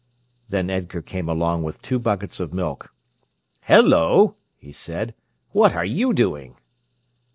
Then Edgar came along with two buckets of milk. "Hello!" he said. "What are you doing?"